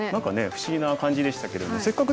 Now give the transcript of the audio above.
不思議な感じでしたけれども。